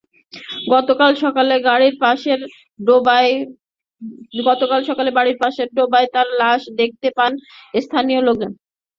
গতকাল সকালে বাড়ির পাশের ডোবায় তাঁর লাশ দেখতে পান স্থানীয় লোকজন।